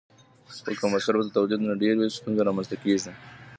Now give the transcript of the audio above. خو که مصرف د تولید نه ډېر وي، ستونزې رامنځته کېږي.